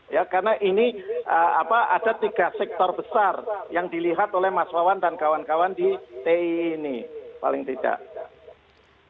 ya karena ini ada tiga sektor besar yang dilihat oleh mas wawan dan kawan kawan di ti ini paling tidak